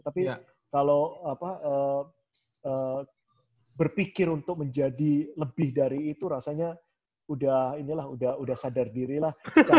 tapi kalau berpikir untuk menjadi lebih dari itu rasanya udah inilah udah sadar diri lah